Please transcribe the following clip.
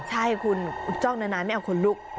ใช่คุณจ้องนานไม่เอาคนลุก